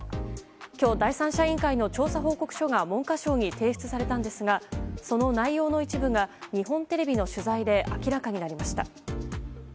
今日、第三者委員会の調査報告書が文科省に提出されたんですがその内容の一部が日本テレビの取材で明らかになりました。